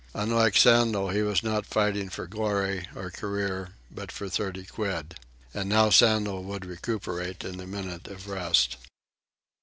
Unlike Sandel, he was not fighting for glory or career, but for thirty quid. And now Sandel would recuperate in the minute of rest.